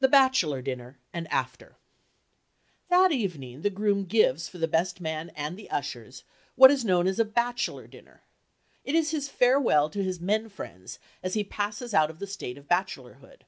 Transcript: THE BACHELOR DINNER AND AFTER That evening the groom gives for the best man and the ushers what is known as a "bachelor dinner." It is his farewell to his men friends as he passes out of the state of bachelorhood.